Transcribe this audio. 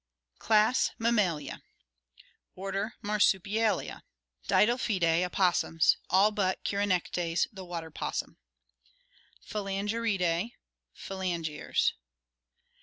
Class Mammalia Order Marsupialia. Didelphyidae, opossums; all but Chironectes, the water opossum. Phalange ridae, phalange rs.